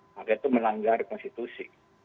maka itu melanggar konstitusi